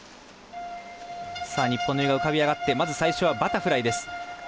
日本の由井が浮かび上がってまず最初はバタフライです。